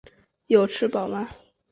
有吃饱吗？